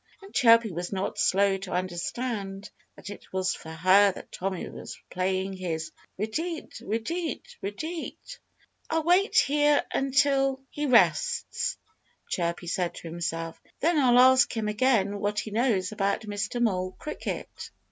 And Chirpy was not slow to understand that it was for her that Tommy was playing his re teat! re teat! re teat! "I'll wait here until he rests," Chirpy said to himself. "Then I'll ask him again what he knows about Mr. Mole Cricket."